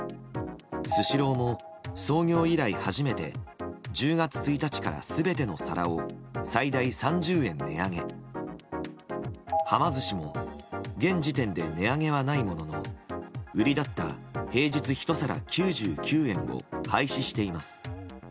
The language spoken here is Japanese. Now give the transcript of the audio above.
スシローも創業以来初めて１０月１日から全ての皿を最大３０円値上げ。はま寿司も現時点で値上げはないものの売りだった平日１皿９９円を廃止しています。